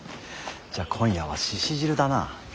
じゃあ今夜は鹿汁だな。